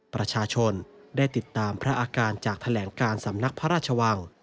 ประชาชนได้ติดตามพระอาการจากแถลงการสำนักพระราชวัง